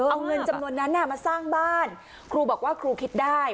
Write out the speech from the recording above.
เอาเงินจำนวนนั้นมาสร้างบ้านครูบอกว่าครูคิดได้